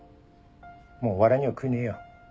もうお笑いには悔いねえよ。